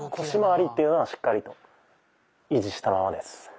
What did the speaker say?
腰まわりっていうのはしっかりと維持したままです。